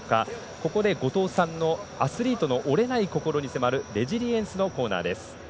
ここで、後藤さんのアスリートの折れない心に迫る「レジリエンス」のコーナーです。